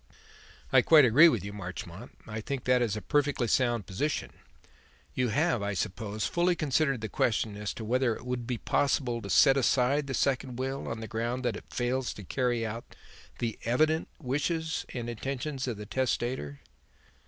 "I quite agree with you, Marchmont. I think that is a perfectly sound position. You have, I suppose, fully considered the question as to whether it would be possible to set aside the second will on the ground that it fails to carry out the evident wishes and intentions of the testator?"